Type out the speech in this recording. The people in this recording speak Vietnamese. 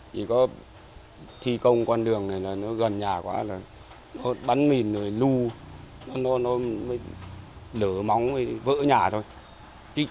chỉ có thi công con đường này là nó gần nhà quá là nó bắn mìn rồi nu nó mới lở móng vỡ nhà thôi